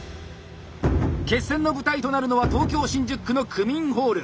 決戦の舞台となるのは東京・新宿区の区民ホール。